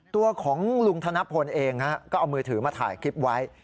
ตัวของลุงธนพลเองก็เอามือถือมาถ่ายคลิปไว้